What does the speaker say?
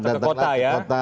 datanglah ke kota